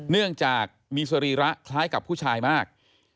เนื่องจากมีสรีระคล้ายกับผู้ชายมาก